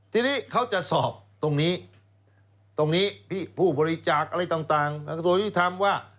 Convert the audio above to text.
ทีนี้เขาจะสอบตรงนี้ตรงนี้ผู้บริจาคอะไรต่างกระทรวงยุทธรรมว่า